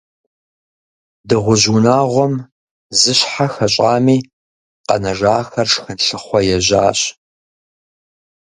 Дыгъужь унагъуэм зы щхьэ хэщӀами, къэнэжахэр шхын лъыхъуэ ежьащ.